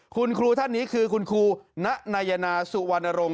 คุณครูท่านนี้คือคุณครูณนายนาสุวรรณรงค